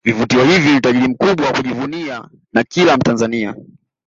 Vivutio hivi ni utajiri mkubwa wa kujivunia na kila Mtanzania